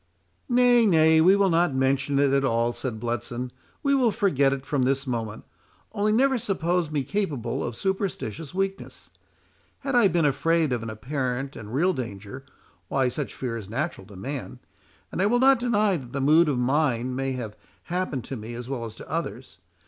"Nay, nay, we will not mention it at all," said Bletson, "we will forget it from this moment. Only, never suppose me capable of superstitious weakness. Had I been afraid of an apparent and real danger—why such fear is natural to man—and I will not deny that the mood of mind may have happened to me as well as to others.